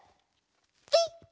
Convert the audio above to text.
ピッ！